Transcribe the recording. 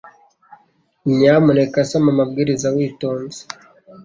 Nyamuneka soma amabwiriza witonze